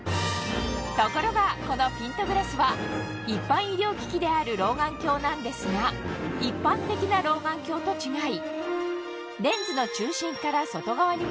ところがこのピントグラスはである老眼鏡なんですが一般的な老眼鏡と違い